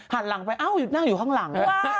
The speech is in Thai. หันหลังไปเอ้านั่งอยู่ข้างหลัง